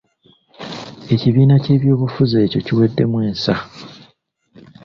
Ekibiina ky'ebyobufuzi ekyo kiweddemu ensa.